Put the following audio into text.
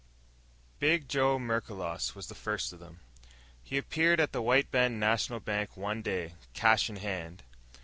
_] Big Joe Merklos was the first of them. He appeared at the Wide Bend National Bank one day, cash in hand.